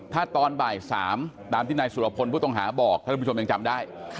ถ้าตอนบ่าย๓ตามที่นายสุรพลผู้ต้องหาบอกท่านผู้ชมยังจำได้